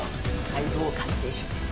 解剖鑑定書です。